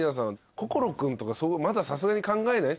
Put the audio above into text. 心君とかまださすがに考えない？